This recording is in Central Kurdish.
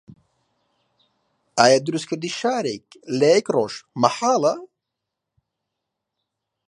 ئایا دروستکردنی شارێک لە یەک ڕۆژ مەحاڵە؟